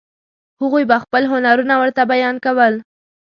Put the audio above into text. هغوی به خپل هنرونه ورته بیان کول.